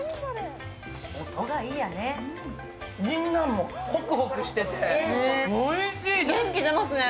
ぎんなんもホクホクしてておいしいです。